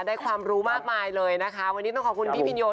รบชวนทุกอย่างเลยเนอะรู้วิธีต้องการด้วย